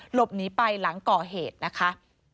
หลบหนีไปหลังก่อเหตุนะคะ